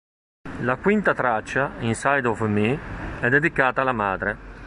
La quinta traccia "Inside of Me" è dedicata alla madre.